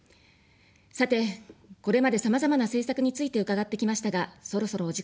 さて、これまで、さまざまな政策について伺ってきましたが、そろそろお時間です。